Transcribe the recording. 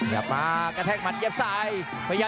อยากเสียบข่าว